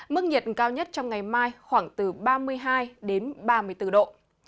mức nhiệt cao nhất trong ngày mai khoảng từ ba mươi hai đến ba mươi bốn độ